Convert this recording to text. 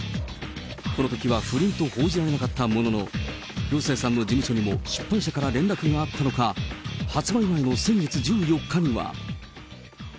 このときは不倫と報じられなかったものの、広末さんの事務所にも出版社から連絡があったのか、発売前の先月１４日には。